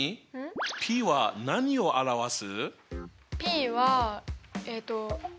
ｐは何を表す？